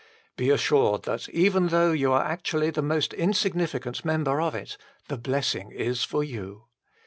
Be assured that, even though you are actually the most insignificant member of it, the blessing is for you.